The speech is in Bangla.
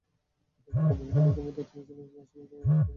বহু পণ্ডিতের মতে, তিনি ছিলেন তাঁর সময়ের চেয়ে এগিয়ে থাকা মানুষ।